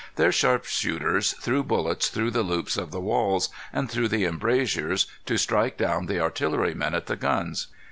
Their sharpshooters threw bullets through the loops of the walls, and through the embrasures, to strike down the artillery men at the guns.